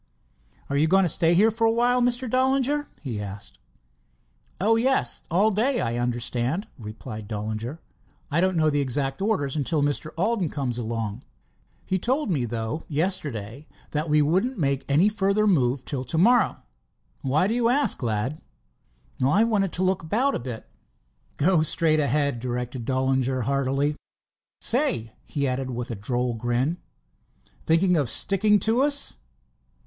"Are you going to stay here for awhile, Mr. Dollinger?" he asked. "Oh, yes, all day, I understand," replied Dollinger. "I don't know the exact orders until Mr. Alden comes along. He told me, though, yesterday that we wouldn't make any further move till to morrow. Why do you ask, lad?" "I wanted to look about a bit." "Go straight ahead," directed Dollinger heartily. "Say," he added, with a droll grin, "thinking of sticking to us?"